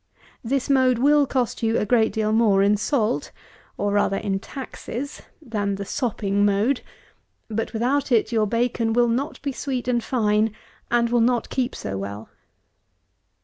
This mode will cost you a great deal more in salt, or rather in taxes, than the sopping mode; but without it, your bacon will not be sweet and fine, and will not keep so well.